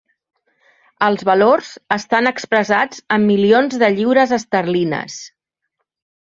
Els valors estan expressats en milions de lliures esterlines.